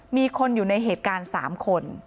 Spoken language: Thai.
มีคนอยู่ในเหตุการณ์๓คน